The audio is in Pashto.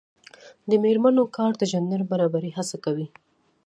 د میرمنو کار د جنډر برابرۍ هڅونه کوي.